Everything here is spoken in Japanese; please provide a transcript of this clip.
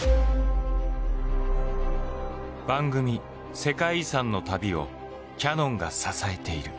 番組「世界遺産」の旅をキヤノンが支えている。